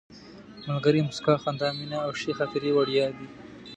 ملګري، موسکا، خندا، مینه او ښې خاطرې وړیا دي.